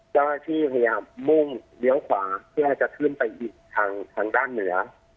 ก็ให้พี่พยายามมุ่งเหล้าขวาเพื่อให้จะขึ้นไปทางด้านเหนือ